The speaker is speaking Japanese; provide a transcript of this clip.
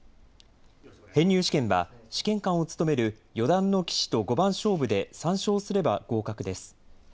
編入試験は試験官を務める四段の棋士と五番勝負で３勝すれば合格です。